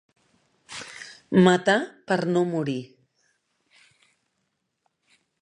Matar per no morir.